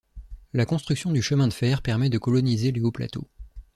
La construction du chemin de fer permet de coloniser les hauts plateaux.